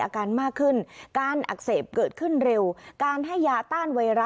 การอักเสบเกิดขึ้นเร็ว